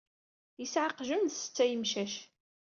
Yesɛa aqjun d setta n yemcac.